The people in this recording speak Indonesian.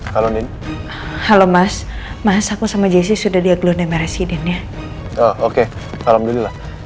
kalau nen halo mas mas aku sama jesi sudah dia geluh demere si din ya oke alhamdulillah